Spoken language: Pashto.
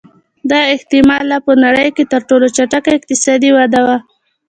دا احتما لا په نړۍ کې تر ټولو چټکه اقتصادي وده وه